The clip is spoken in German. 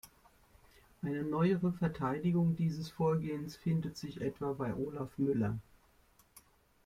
Eine neuere Verteidigung dieses Vorgehens findet sich etwa bei Olaf Müller.